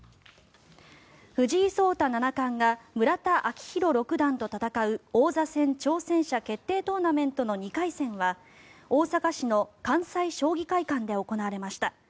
藤井聡太七冠が村田顕弘六段と戦う王座戦挑戦者決定トーナメントの２回戦は大阪市の関西将棋会館で行われました。